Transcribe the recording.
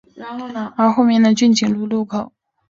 而后面的骏景路路口曾为本站的落客站。